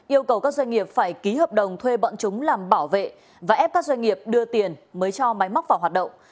yêu cầu các doanh nghiệp phải ký hợp đồng thuê bọn chúng làm bảo vệ và ép các doanh nghiệp đưa tiền mới cho máy móc vào hoạt động